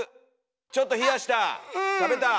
ちょっと冷やした食べたおいしい。